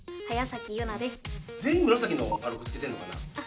全員紫のあれをくっつけてんのかな？